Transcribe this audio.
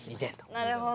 なるほど。